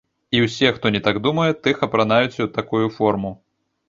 І ўсе, хто не так думае, тых апранаюць у такую форму.